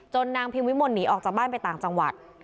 นางพิมวิมลหนีออกจากบ้านไปต่างจังหวัด